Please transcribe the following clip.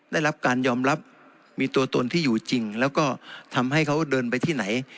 ได้รับการยอมรับมีตัวตนที่อยู่จริงแล้วก็ทำให้เขาเดินไปที่ไหน